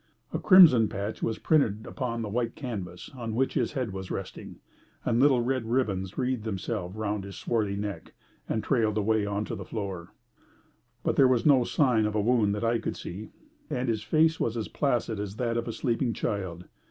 A crimson patch was printed upon the white canvas on which his head was resting, and little red ribbons wreathed themselves round his swarthy neck and trailed away on to the floor, but there was no sign of a wound that I could see, and his face was as placid as that of a sleeping child.